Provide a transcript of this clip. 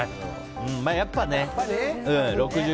やっぱね。